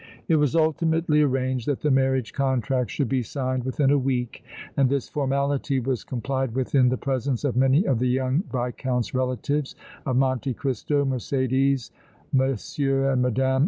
It was ultimately arranged that the marriage contract should be signed within a week, and this formality was complied with in the presence of many of the young Viscount's relatives, of Monte Cristo, Mercédès, M. and Mme.